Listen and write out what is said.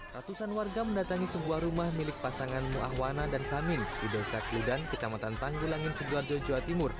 ratusan warga mendatangi sebuah rumah milik pasangan mu'ahwana dan samin di desak lidan kecamatan tanggulangin seguarjo jawa timur